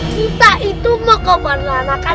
kita itu mau keberenangkan